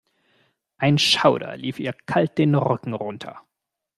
Ein Schauder lief ihr kalt den Rücken runter.